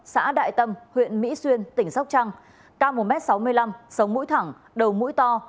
xã đại tâm huyện mỹ xuyên tỉnh sóc trăng cao một m sáu mươi năm sống mũi thẳng đầu mũi to